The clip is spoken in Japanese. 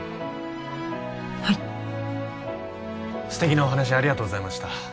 はい素敵なお話ありがとうございました